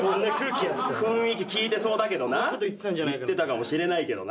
雰囲気聞いてそうだけどな言ってたかもしれないけどな。